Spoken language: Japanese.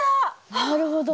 なるほど。